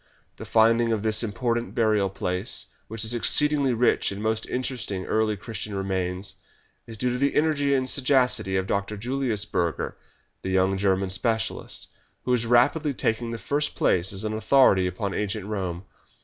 The finding of this important burial place, which is exceeding rich in most interesting early Christian remains, is due to the energy and sagacity of Dr. Julius Burger, the young German specialist, who is rapidly taking the first place as an authority upon ancient Rome.